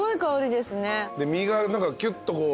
で身が何かキュッとこう。